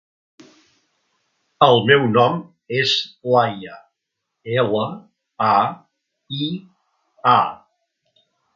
El meu nom és Laia: ela, a, i, a.